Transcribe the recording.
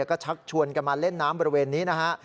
ก็ชักชวนกันมาเล่นน้ำบริเวณนี้นะฮะ